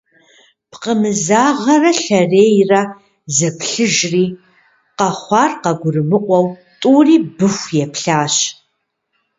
Пкъымызагъэрэ Лъэрейрэ зэплъыжри, къэхъуар къагурымыӀуэу тӀури Быху еплъащ.